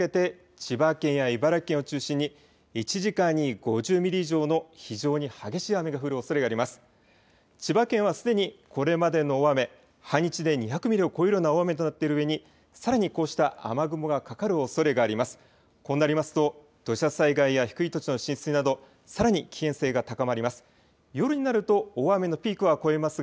千葉県はすでにこれまでの大雨、半日で２００ミリを超える大雨となっているうえにさらに、こうした雨雲がかかるおそれがあります。